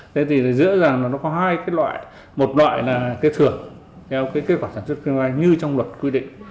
thế thì dễ dàng là nó có hai cái loại một loại là kết thưởng theo kết quả sản xuất kinh doanh như trong luật quy định